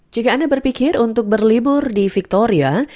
jika anda berpikir untuk berlibur di victoria